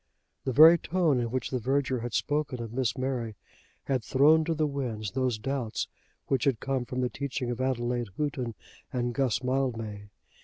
The very tone in which the verger had spoken of Miss Mary had thrown to the winds those doubts which had come from the teaching of Adelaide Houghton and Guss Mildmay.